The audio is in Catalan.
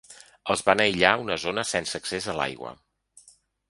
Els van aïllar a una zona sense accés a l’aigua.